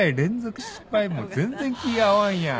もう全然気合わんやん。